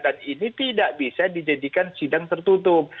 dan ini tidak bisa dijadikan sidang tertutup